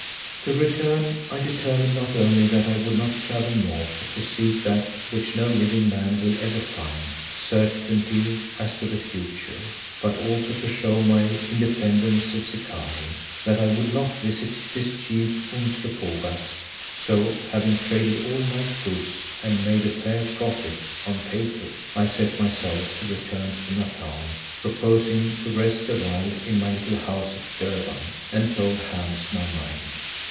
To return, I determined not only that I would not travel north to seek that which no living man will ever find, certainty as to the future, but also, to show my independence of Zikali, that I would not visit this chief, Umslopogaas. So, having traded all my goods and made a fair profit (on paper), I set myself to return to Natal, proposing to rest awhile in my little house at Durban, and told Hans my mind.